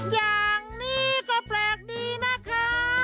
อย่างนี้ก็แปลกดีนะคะ